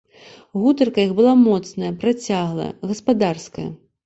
Гутарка іх была моцная, працяглая, гаспадарская.